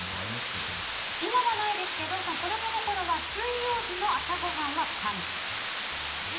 今はないですけど子供のころは水曜日の朝ごはんはパンでした。